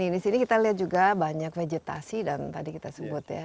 di sini kita lihat juga banyak vegetasi dan tadi kita sebut ya